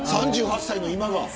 ３８歳の今が。